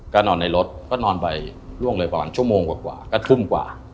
ก็นอนในรถก็นอนไปล่วงเลยประมาณชั่วโมงกว่าก็ทุ่มกว่า